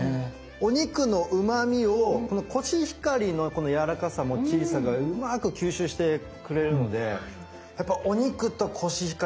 お肉のうまみをこのコシヒカリのこのやわらかさもっちりさがうまく吸収してくれるのでやっぱお肉とコシヒカリって合いますね！